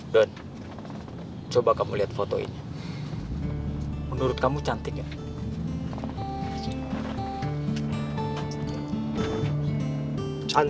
ketengahan ini namanya har ted enjoy